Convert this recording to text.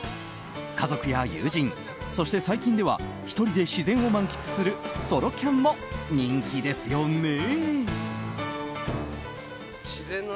家族や友人、そして最近では１人で自然を満喫するソロキャンも人気ですよね。